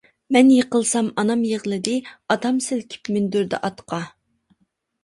مەن يىقىلسام ئانام يىغلىدى، ئاتام سىلكىپ مىندۈردى ئاتقا.